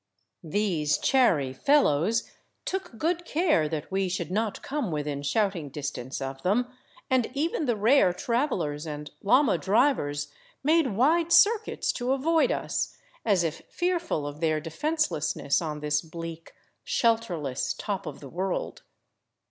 These chary fellows took good care that we should not come within shouting distance of them, and even the rare travelers and llama drivers made wide circuits to avoid us, as if fearful of their defenselessness on this bleak, shelterless top of the world.